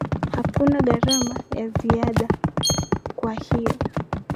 Hakuna gharama ya ziada kwako kwa hiyo